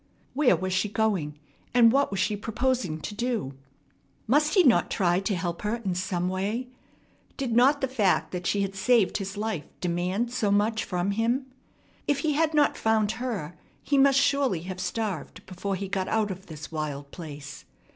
Where was she going, and what was she proposing to do? Must he not try to help her in some way? Did not the fact that she had saved his life demand so much from him? If he had not found her, he must surely have starved before he got out of this wild place.